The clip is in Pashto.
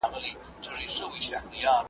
فطري غريزې بايد په سمه لاره وي.